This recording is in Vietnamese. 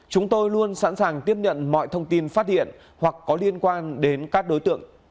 chúng tôi luôn sẵn sàng tiếp nhận mọi thông tin phát hiện hoặc có liên quan đến các đối tượng